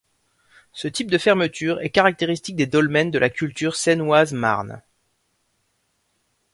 Ce type de fermeture est caractéristique des dolmens de la culture Seine-Oise-Marne.